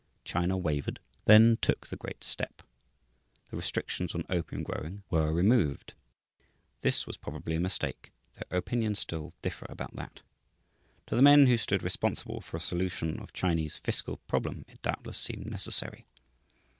China wavered, then took the great step. The restrictions on opium growing were removed. This was probably a mistake, though opinions still differ about that. To the men who stood responsible for a solution of Chinese fiscal problem it doubtless seemed necessary.